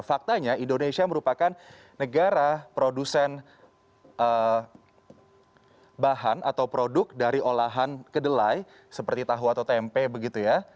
faktanya indonesia merupakan negara produsen bahan atau produk dari olahan kedelai seperti tahu atau tempe begitu ya